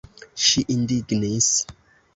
Ŝi indignis.